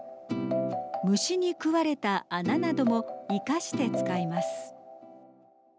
虫に食われた穴なども生かして使います。